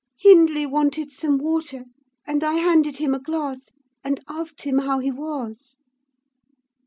Hindley wanted some water, and I handed him a glass, and asked him how he was.